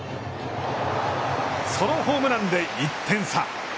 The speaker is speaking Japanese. ソロホームランで１点差。